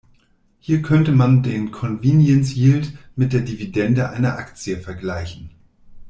Hier könnte man den Convenience Yield mit der Dividende einer Aktie vergleichen.